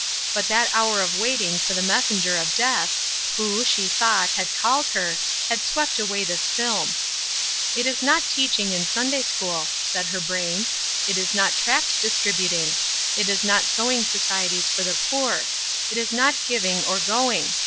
But that hour of waiting for the messenger of death, who, she thought, had called her, had swept away this film. "It is not teaching in Sunday school," said her brain. "It is not tract distributing; it is not sewing societies for the poor; it is not giving or going.